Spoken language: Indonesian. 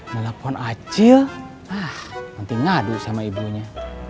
melakukan acil nanti ngadu sama ibunya